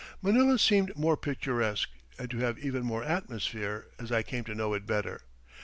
Manila seemed more picturesque, and to have even more atmosphere, as I came to know it better.